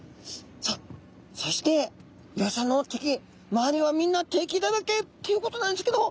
さあそしてイワシちゃんの敵周りはみんな敵だらけっていうことなんですけど。